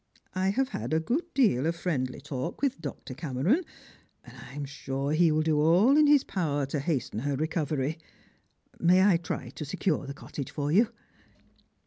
I have had a good deal of friendly talk with Dr. Cameron, and I am sure that he will do all in his power to hasten her recovery. May I try to secure the cottage for you